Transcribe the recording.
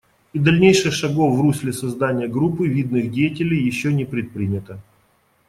И дальнейших шагов в русле создания группы видных деятелей еще не предпринято.